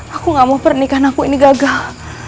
aku gak mau pernikahan aku ini gagal